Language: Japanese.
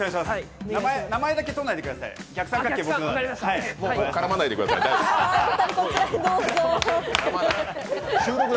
名前だけとらないでください、逆三角形は僕の。